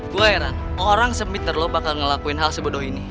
gue heran orang semitter lu bakal ngelakuin hal sebodoh ini